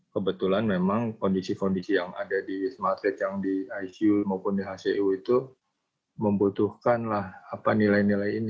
kebetulan memang kondisi kondisi yang ada di wisma atlet yang di icu maupun di hcu itu membutuhkan lah apa nilai nilai ini